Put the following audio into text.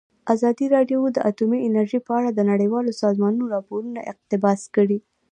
ازادي راډیو د اټومي انرژي په اړه د نړیوالو سازمانونو راپورونه اقتباس کړي.